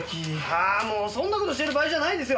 ああもうそんな事してる場合じゃないですよ！